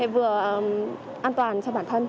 vừa an toàn cho bản thân